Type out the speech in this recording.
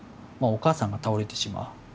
まあお母さんが倒れてしまう。